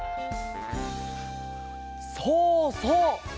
そうそう！